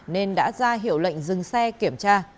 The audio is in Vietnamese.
nên đã ra hiểu lệnh dừng xe kiểm tra